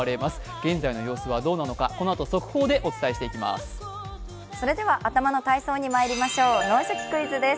現在の様子はどうなのか、このあと速報でお伝えしていきます。